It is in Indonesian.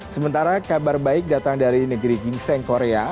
sementara kabar baik datang dari negeri gingseng korea